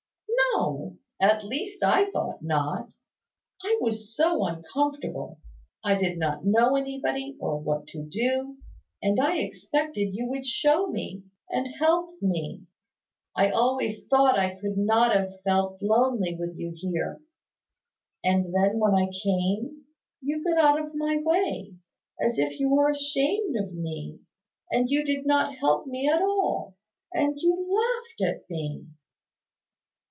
"No. At least I thought not. I was so uncomfortable, I did not know anybody, or what to do; and I expected you would show me, and help me. I always thought I could not have felt lonely with you here; and then when I came, you got out of my way, as if you were ashamed of me, and you did not help me at all; and you laughed at me."